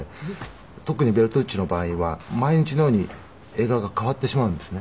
特にベルトルッチの場合は毎日のように映画が変わってしまうんですね。